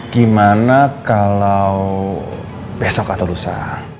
gimana kalau besok atau lusa